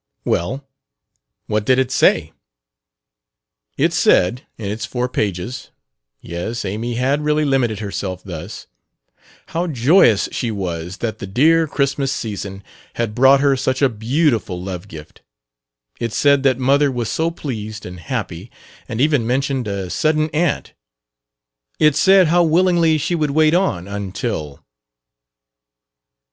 Well, what did it say? It said, in its four pages (yes, Amy had really limited herself thus), how joyous she was that the dear Christmas season had brought her such a beautiful love gift; it said that mother was so pleased and happy and even mentioned a sudden aunt; it said how willingly she would wait on until....